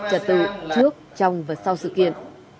trả tự trước trong và sau sự kiện